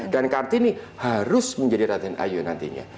dan kartini harus menjadi raden ayu nantinya